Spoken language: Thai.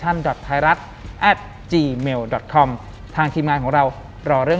หลังจากนั้นเราไม่ได้คุยกันนะคะเดินเข้าบ้านอืม